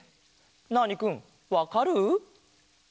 ナーニくんわかる？